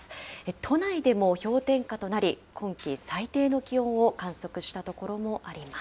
都内でも氷点下となり、今季最低の気温を観測した所もあります。